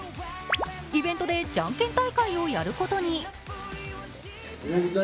イベントでじゃんけん大会をやることに。